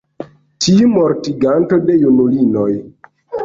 tiu mortiganto de junulinoj!